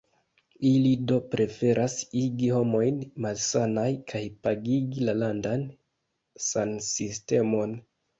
Ili do preferas igi homojn malsanaj kaj pagigi la landan sansistemon.